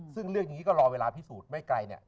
ซึ่งเรื่องนี้ก็รอเวลาพิสูจน์ไม่ไกลเนี่ย